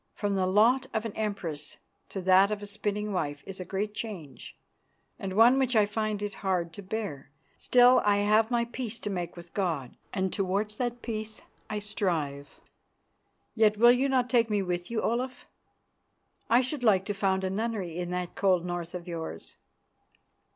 From the lot of an Empress to that of a spinning wife is a great change, and one which I find it hard to bear. Still, I have my peace to make with God, and towards that peace I strive. Yet will you not take me with you, Olaf? I should like to found a nunnery in that cold North of yours."